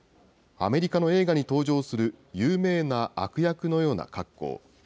アメリカの映画に登場する有名な悪役のような格好。